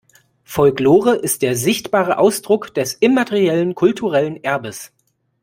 Folklore ist der sichtbare Ausdruck des immateriellen kulturellen Erbes.